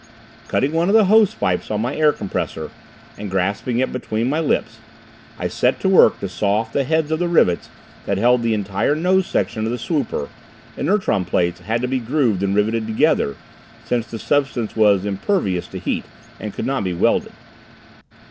Cutting one of the hose pipes on my air compressor, and grasping it between my lips, I set to work to saw off the heads of the rivets that held the entire nose section of the swooper (inertron plates had to be grooved and riveted together, since the substance was impervious to heat and could not be welded).